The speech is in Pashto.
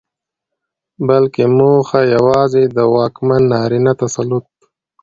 بلکې موخه يواځې د واکمن نارينه تسلط